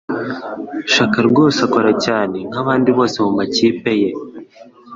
Shaka rwose akora cyane nkabandi bose mumakipe ye.